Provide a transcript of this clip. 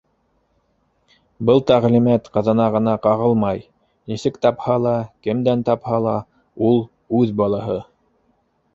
Был тәғлимәт ҡыҙына ғына ҡағылмай - нисек тапһа ла, кемдән тапһа ла - ул үҙ балаһы.